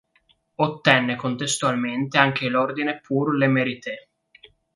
Ottenne contestualmente anche l'ordine Pour le Mérite.